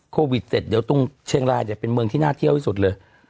โควิดเสร็จเดี๋ยวตรงเชียงรายเนี่ยเป็นเมืองที่น่าเที่ยวที่สุดเลย